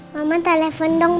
mama telepon dong ma